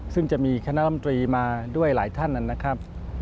ซึ่งจะมีคณะรำตรีมาด้วยหลายท่านนะครับ